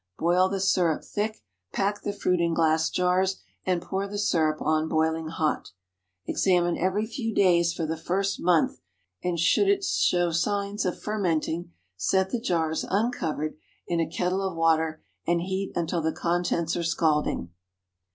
Boil the syrup thick; pack the fruit in glass jars, and pour the syrup on boiling hot. Examine every few days for the first month, and should it show signs of fermenting set the jars (uncovered) in a kettle of water, and heat until the contents are scalding.